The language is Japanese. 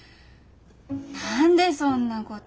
何でそんなこと？